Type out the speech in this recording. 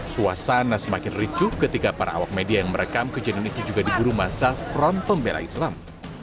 suasana semakin ricuh ketika para awak media yang merekam kejadian itu juga diburu masa front pembela islam